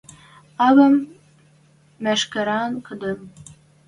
Ӓвӓм мӹшкӹрӓн кодын.